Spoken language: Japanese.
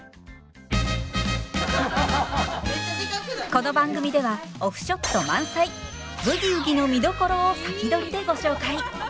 この番組ではオフショット満載！「ブギウギ」の見どころを先取りでご紹介。